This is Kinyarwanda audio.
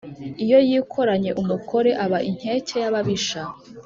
iyo yikoranye umukore aba inkeke y' ababisha;